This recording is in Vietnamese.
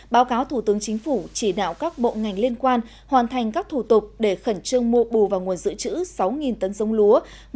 báo cáo thủ tướng chính phủ chỉ đạo các bộ ngành liên quan hoàn thành các thủ tục để khẩn trương mua bù vào nguồn dự trữ sáu tấn giống lúa